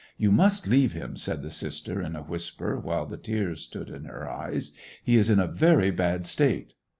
"You must leave him," said the sister, in a whisper, while the tears stood in her eyes ;" he is in a very bad state."